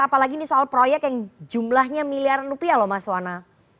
apalagi ini soal proyek yang jumlahnya miliaran rupiah loh mas wana